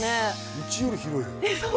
うちより広い。